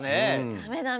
ダメダメ！